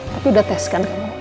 tapi udah tes kan